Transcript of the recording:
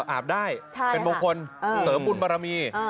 อาบได้เป็นมงคลเสริมบุญบารมี